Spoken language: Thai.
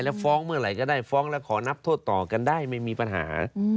แล้วฟ้องเมื่อไหร่ก็ได้ฟ้องแล้วขอนับโทษต่อกันได้ไม่มีปัญหา